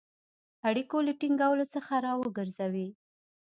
اړیکو له ټینګولو څخه را وګرځوی.